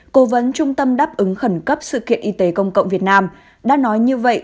cố vấn trung tâm đáp ứng khẩn cấp sự kiện y tế công cộng việt nam đã nói như vậy